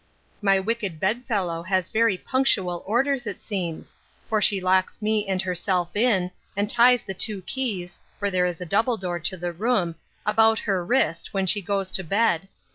My wicked bed fellow has very punctual orders, it seems; for she locks me and herself in, and ties the two keys (for there is a double door to the room) about her wrist, when she goes to bed.